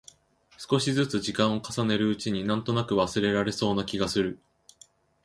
少しづつ時間を重ねるうちに、なんとなく忘れられそうな気がする。